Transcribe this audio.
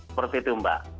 seperti itu mbak